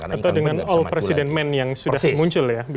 atau dengan all president men yang sudah muncul ya